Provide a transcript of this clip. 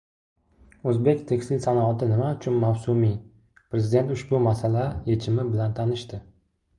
O‘zbek tekstil sanoati nima uchun mavsumiy? Prezident ushbu masala yechimi bilan tanishdi